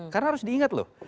karena harus diingat loh